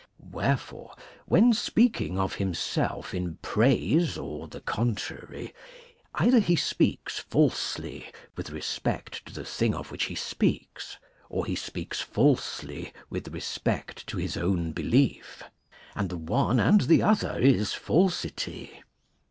Wherefore, when speaking of himself in praise or the contrary, either he speaks falsely with respect to the thing of which he speaks, or he speaks falsely with respect to his own belief; and the one and the other is falsity.